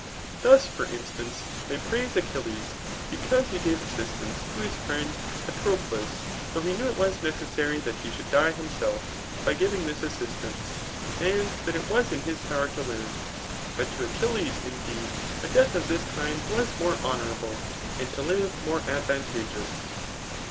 Thus for instance, they praise Achilles, because he gave ance to his friend Patroclus, though he knew it necessary that he should die himself []by ghring diis assistance,] and that it was in his power to live* But to Achilles, indeed, a death of this kind was more honow able ; and to live, more advantageous.